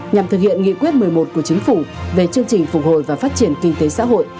nhằm thực hiện nghị quyết một mươi một của chính phủ về chương trình phục hồi và phát triển kinh tế xã hội